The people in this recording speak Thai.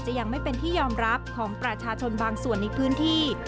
ยังไม่เป็นที่ยอมรับของประชาชนบางส่วนในพื้นที่